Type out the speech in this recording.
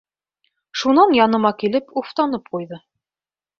Шунан яныма килеп, уфтанып ҡуйҙы: